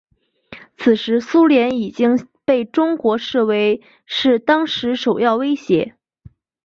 此时苏联已经被中国视为是当时首要威胁。